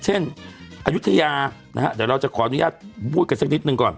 อายุทยานะฮะเดี๋ยวเราจะขออนุญาตพูดกันสักนิดหนึ่งก่อน